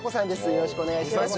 よろしくお願いします。